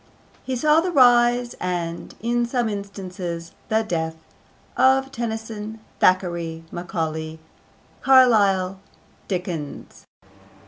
He saw the rise, and, in some instances, the death, of Tennyson, Thackeray, Macaulay, Carlyle, Dickens.